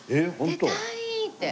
「出たい」って。